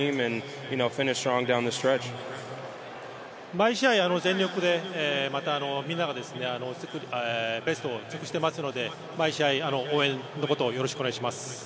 毎試合、全力でまたみんながベストを尽くしてますので、毎試合、応援のことをよろしくお願いします。